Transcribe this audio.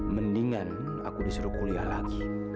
mendingan aku disuruh kuliah lagi